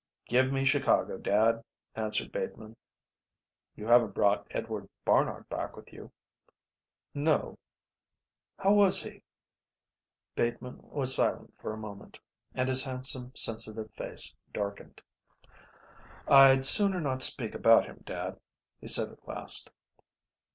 "Give me Chicago, dad," answered Bateman. "You haven't brought Edward Barnard back with you." "No." "How was he?" Bateman was silent for a moment, and his handsome, sensitive face darkened. "I'd sooner not speak about him, dad," he said at last.